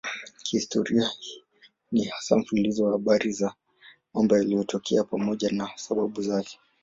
Historia ni hasa mfululizo wa habari za mambo yaliyotokea pamoja na sababu zake.